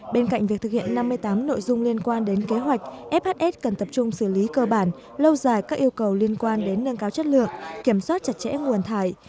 bên cạnh việc thực hiện năm mươi tám nội dung liên quan đến kế hoạch fhs cần tập trung xử lý cơ bản lâu dài các yêu cầu liên quan đến nâng cao chất lượng kiểm soát chặt chẽ nguồn thải